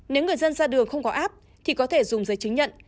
nếu người dân ra đường không có app thì có thể dùng giấy chứng nhận